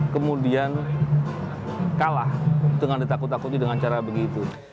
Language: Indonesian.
kemudian kalah dengan ditakut takuti dengan cara begitu